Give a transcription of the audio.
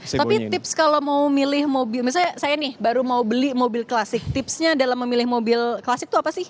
tapi tips kalau mau milih mobil misalnya saya nih baru mau beli mobil klasik tipsnya dalam memilih mobil klasik itu apa sih